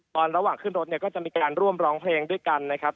ตอนระหว่างขึ้นรถเนี่ยก็จะมีการร่วมร้องเพลงด้วยกันนะครับ